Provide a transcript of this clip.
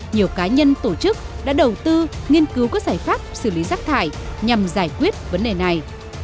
nhiều cá nhân tổ chức đã đầu tư nghiên cứu các giải pháp xử lý rác thải nhằm giải quyết vấn đề này